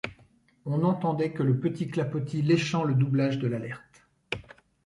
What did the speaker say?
On n’entendait que le petit clapotis léchant le doublage de l’Alert.